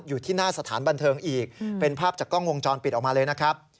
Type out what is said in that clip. อยู่ที่หน้าสถานบันเทิงอีกเป็นภาพจากกล้องวงจรปิดออกมาเลยนะครับ